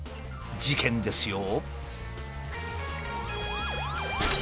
事件ですよ。